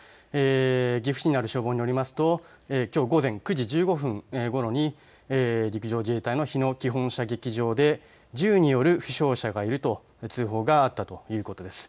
岐阜市にある消防によりますときょう午前９時１５分ごろに陸上自衛隊の日野基本射撃場で銃による負傷者がいると通報があったということです。